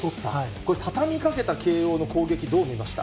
これ、畳みかけた慶応の攻撃、どう見ました？